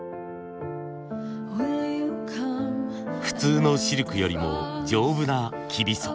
普通のシルクよりも丈夫なきびそ。